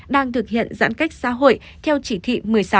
đang thực hiện giãn cách xã hội theo chỉ thị một mươi sáu